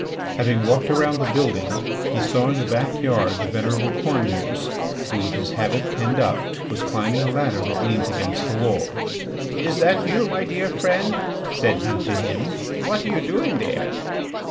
Having walked around the building he saw in the backyard the venerable Cornemuse, who, with his habit pinned up, was climbing a ladder that leant against the wall. "Is that you, my dear friend?" said he to him. "What are you doing there?"